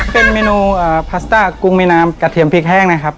เป็นเมนูพาสต้ากุ้งเมนามกระเทียมพริกแห้ง